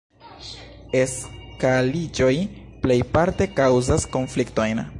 Eskaliĝoj plejparte kaŭzas konfliktojn.